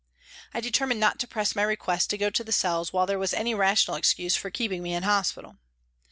I determined not to press my request to go to the cells while there was any rational excuse for keeping me in hospital.